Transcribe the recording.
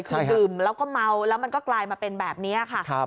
คือดื่มแล้วก็เมาแล้วมันก็กลายมาเป็นแบบนี้ค่ะ